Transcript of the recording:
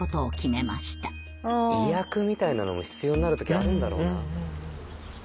意訳みたいなのも必要になる時あるんだろうなあ。